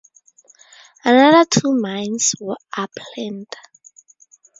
Another two mines are planned.